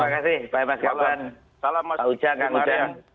terima kasih pak kaban salam mas ujjan